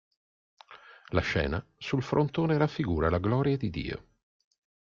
La scena sul frontone raffigura la gloria di Dio.